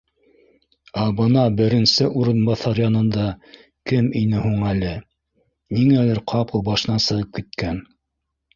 Ә бына беренсе урынбаҫар янында кем ине һуң әле? Ниңәлер ҡапыл башынан сығып киткән